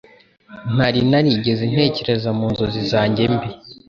ntari narigeze ntekereza mu nzozi zanjye mbi